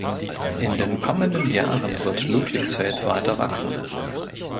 In den kommenden Jahren wird Ludwigsfeld weiter wachsen.